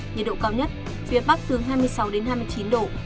nhiệt độ cao nhất phía bắc từ hai mươi sáu đến hai mươi chín độ